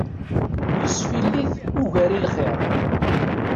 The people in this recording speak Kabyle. Yesfillit ugar i lxir.